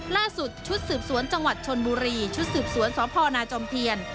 ล่าสุดชุดสืบสวนจังหวัดชนบุรีชุดสืบสวนสพนาจอมเทียน